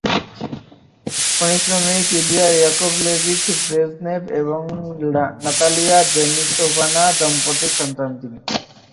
খনিশ্রমিক Ilya Yakovlevich Brezhnev এবং Natalia Denisovna দম্পতির সন্তান তিনি।